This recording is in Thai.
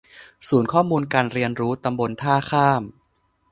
ศูนย์ข้อมูลการเรียนรู้ตำบลท่าข้าม